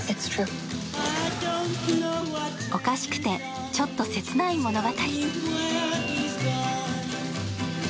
おかしくてちょっとせつない物語